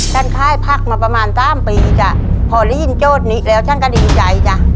แก้นค้ายพักมาประมาณ๓ปีจ้ะพอเรียนโจทย์นี้แล้วฉันก็ดีใจจ้ะ